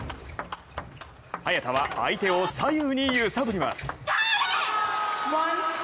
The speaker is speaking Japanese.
早田は相手を左右に揺さぶります。